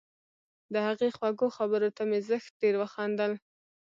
د هغې خوږو خبرو ته مې زښت ډېر وخندل